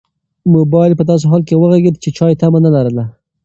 موبایل په داسې حال کې وغږېد چې چا یې تمه نه لرله.